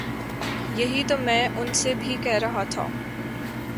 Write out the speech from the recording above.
یہی تو میں ان سے بھی کہہ رہا تھا